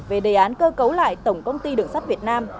về đề án cơ cấu lại tổng công ty đường sắt việt nam